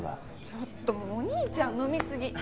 ちょっとお兄ちゃん飲みすぎ